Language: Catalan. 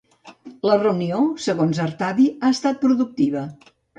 La reunió, segons Artadi, ha estat productiva.